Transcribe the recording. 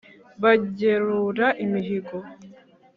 bagerura imihigo"